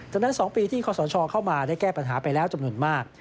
ดังนั้น๒ปีที่ขอสชเข้ามาได้แก้ปัญหาไปแล้วจำนวนมาก